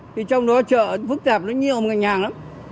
thì trong đó chợ phức tạp nó nhiều ngành hàng lắm